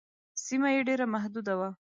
سیمه یې ډېره محدوده وه.